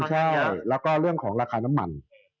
ใช่แล้วก็เรื่องของราคาน้ำมัน